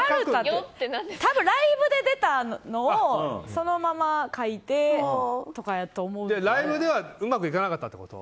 多分、ライブで出たのをそのまま書いてとかやとライブではうまくいかなかったってこと？